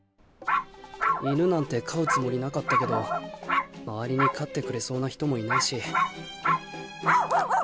犬なんて飼うつもりなかったけど周りに飼ってくれそうな人もいないしわんおんおんおんおん！